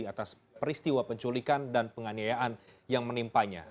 atas peristiwa penculikan dan penganiayaan yang menimpanya